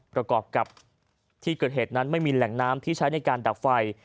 ประกอบกับที่เกิดเหตุนั้นไม่มีแหล่งน้ำที่ใช้ในการดับไฟ